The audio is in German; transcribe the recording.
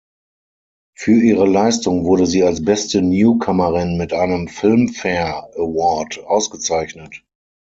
Für ihre Leistung wurde sie als beste Newcomerin mit einem Filmfare Award ausgezeichnet.